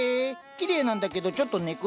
きれいなんだけどちょっと根暗？